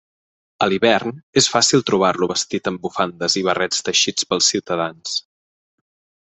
A l'hivern és fàcil trobar-lo vestit amb bufandes i barrets teixits pels ciutadans.